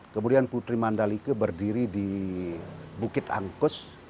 kemudian putri mandalika berdiri di bukit angkus